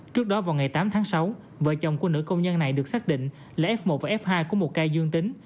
trước đó vào ngày tám tháng sáu vợ chồng của nữ công nhân này được xác định là f một và f hai của một ca dương tính